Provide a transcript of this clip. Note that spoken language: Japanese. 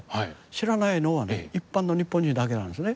知らないのは一般の日本人だけなんですね。